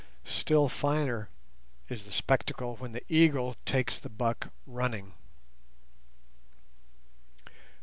Still finer is the spectacle when the eagle takes the buck running.